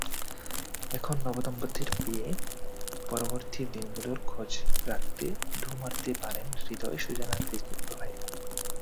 এখন নবদম্পতির বিয়ে-পরবর্তী দিনগুলোর খোঁজ রাখতে ঢুঁ মারতে পারেন হৃদয়-সুজানার ফেসবুক প্রোফাইলে।